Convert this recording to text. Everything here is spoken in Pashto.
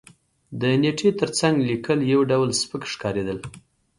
د نېټې تر څنګ لېکل یو ډول سپک ښکارېدل.